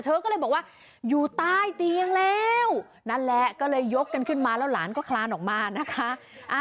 เธอก็เลยบอกว่าอยู่ใต้เตียงแล้วนั่นแหละก็เลยยกกันขึ้นมาแล้วหลานก็คลานออกมานะคะ